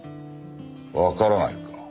わからないか。